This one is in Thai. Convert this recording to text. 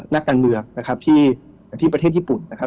นักการเมืองนะครับที่ประเทศญี่ปุ่นนะครับ